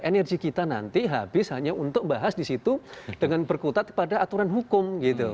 energi kita nanti habis hanya untuk bahas di situ dengan berkutat pada aturan hukum gitu